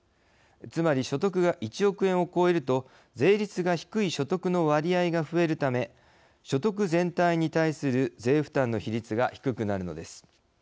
つまり所得が１億円を超えると税率が低い所得の割合が増えるため、所得全体に対する税負担の比率が低くなるのです。